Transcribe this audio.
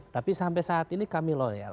tapi sampai saat ini kami loyal